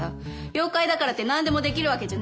妖怪だからって何でもできるわけじゃ。